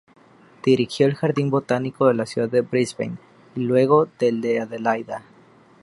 Dirigió el Jardín Botánico de la Ciudad de Brisbane, y luego del de Adelaida.